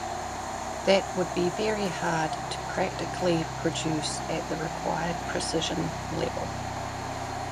That would be very hard to practically produce at the required precision level.